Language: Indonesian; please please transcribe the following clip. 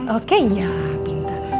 oke ya pintar